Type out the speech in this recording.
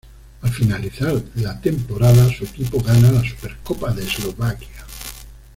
Al finalizar de la temporada su equipo gana la Supercopa de Eslovaquia.